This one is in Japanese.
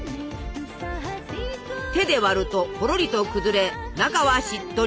手で割るとほろりと崩れ中はしっとり。